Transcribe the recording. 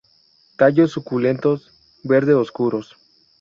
Tallos suculentos, verde oscuros.